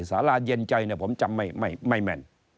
สาราเย็นใจผมจำไม่แม่น